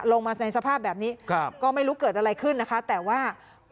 ลงมาในสภาพแบบนี้ครับก็ไม่รู้เกิดอะไรขึ้นนะคะแต่ว่า